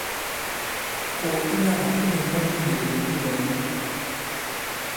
Kògò ki nyaga ki nùmblà ndi nì ìlɛ̀n di lɔ̄mā.